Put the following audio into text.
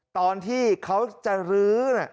ตอนที่เขาจะรื้อ